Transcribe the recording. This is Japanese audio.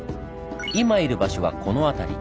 今いる場所はこの辺り。